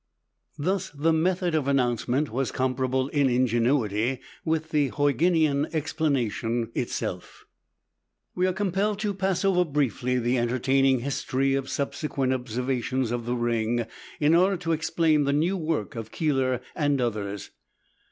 Thus, the method of announcement was comparable in ingenuity with the Huygenian explanation itself. We are compelled to pass over briefly the entertaining history of subsequent observations of the ring, in order to explain the new work of Keeler and others.